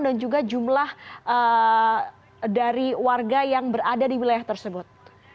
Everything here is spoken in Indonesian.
dan juga jumlah dari warga yang berada di wilayah tersebut